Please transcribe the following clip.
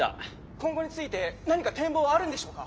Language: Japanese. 「今後について何か展望はあるんでしょうか？」。